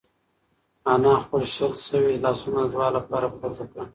انا خپل شل شوي لاسونه د دعا لپاره پورته کړل.